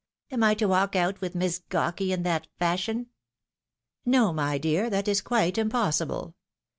Am I to walk out vvith Miss Gawky in that fashion ?"" No, my dear, that is quite impossible.